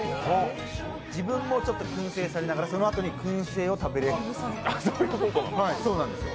自分もちょっとくん製されながらそのあとにくん製を食べられる。